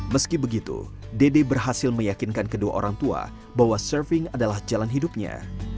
meski begitu dede berhasil meyakinkan kedua orang tua bahwa surfing adalah jalan hidupnya